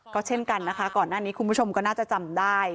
ก็เช่นกันนะคะก่อนหน้านี้คุณผู้ชมก็น่าจะจำได้